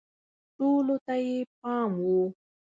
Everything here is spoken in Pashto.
ټولو ته یې پام و